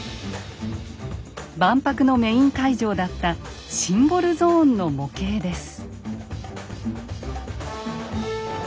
万博のメイン会場だったシンボルゾーンの模型です。